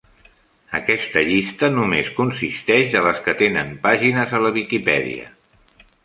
Aquesta llista només consisteix de les que tenen pàgines a la Viquipèdia.